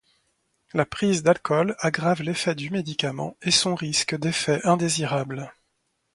La prise d'alcool aggrave l'effet du médicament et son risque d'effets indésirables.